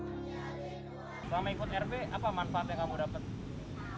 selama ikut rp apa manfaat yang kamu dapat